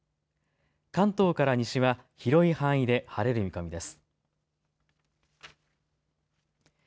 関東から西は広い範囲で晴れる見込みです。